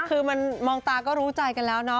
คือมันมองตาก็รู้ใจกันแล้วเนาะ